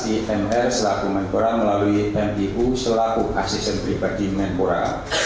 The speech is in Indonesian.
i n r selaku menkora melalui m i u selaku asisten pribadi menkora